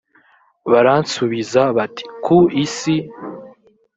baransubiza bati ku isi